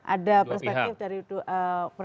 ada perspektif dari dua pihak